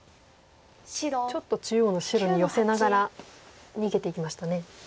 ちょっと中央の白に寄せながら逃げていきましたね。